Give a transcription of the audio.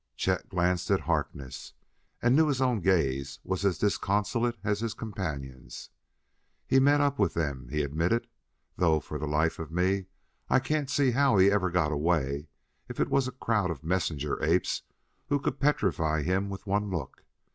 Chet glanced at Harkness and knew his own gaze was as disconsolate as his companion's. "He's met up with them," he admitted, "though, for the life of me, I can't see how he ever got away if it was a crowd of messenger apes who could petrify him with one look.